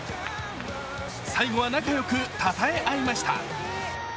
最後は仲良く、たたえ合いました。